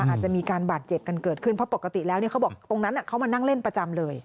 อาจจะมีการบาดเจ็บกันเกิดขึ้นเพราะปกติแล้วเขาบอกตรงนั้นเขามานั่งเล่นประจำเลย